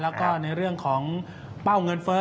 แล้วก็ในเรื่องของเป้าเงินเฟ้อ